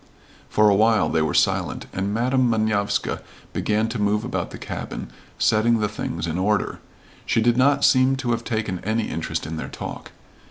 For a while they were silent, and Madam Manovska began to move about the cabin, setting the things in order. She did not seem to have taken any interest in their talk.